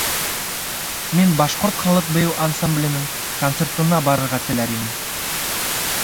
Мин Башҡорт халыҡ бейеү ансамбленең концертына барырға теләр инем.